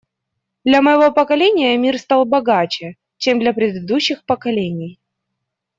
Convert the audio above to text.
Для моего поколения мир стал богаче, чем для предыдущих поколений.